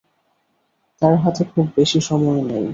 তার হাতে খুব বেশি সময় নেই।